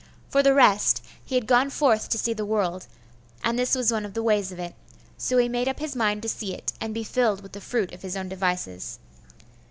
For the rest, he had gone forth to see the world and this was one of the ways of it. So he made up his mind to see it, and be filled with the fruit of his own devices.